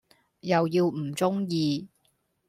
又要唔鐘意